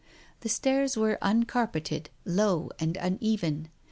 The stairs were un carpeted, low and uneven.